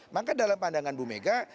maka dalam pandangan bu mega